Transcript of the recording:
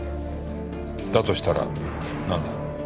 だとしたらなんだ？